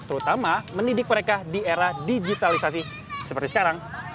terutama mendidik mereka di era digitalisasi seperti sekarang